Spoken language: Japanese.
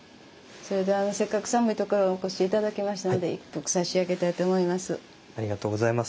それではせっかく寒いところをお越し頂きましたので一服差し上げたいと思います。